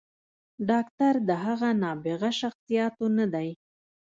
“ډاکتر د هغه نابغه شخصياتو نه دے